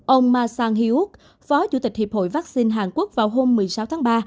ông ma sang hee wook phó chủ tịch hiệp hội vaccine hàn quốc vào hôm một mươi sáu tháng ba